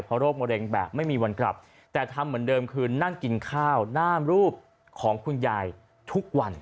เพราะโรคมะเร็งแบบไม่มีวันกลับแต่ทำเหมือนเดิมคือนั่งกินข้าวหน้ารูปของคุณยายทุกวัน